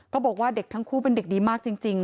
บอกว่าเด็กทั้งคู่เป็นเด็กดีมากจริง